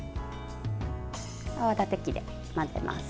泡立て器で混ぜます。